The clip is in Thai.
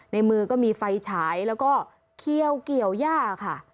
ในมือก็มีไฟฉายแล้วก็เคี่ยวเกี่ยวย่าค่ะ